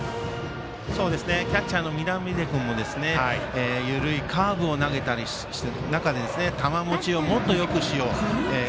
キャッチャーの南出君も緩いカーブを投げたりする中で球もちをもっとよくしようと。